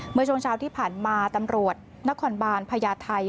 เมื่อช่วงเช้าที่ผ่านมาตำรวจนครบาลพญาไทย